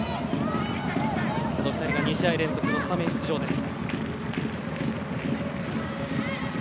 この２人は２試合連続のスタメン出場です。